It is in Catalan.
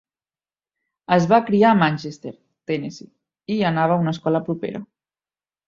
Es va criar a Manchester, Tennessee i anava a una escola propera.